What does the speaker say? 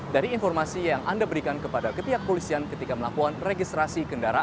dari informasi yang anda berikan kepada pihak kepolisian ketika melakukan rekomendasi